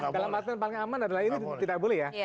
dalam artian paling aman adalah ini tidak boleh ya